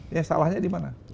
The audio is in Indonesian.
ya salahnya di mana